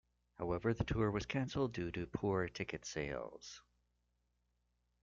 However, the tour was cancelled due to poor ticket sales.